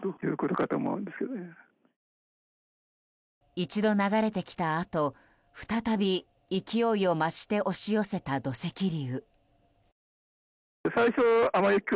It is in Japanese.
一度流れてきたあと再び、勢いを増して押し寄せた土石流。